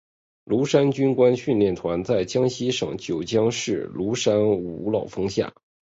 庐山军官训练团在江西省九江市庐山五老峰下。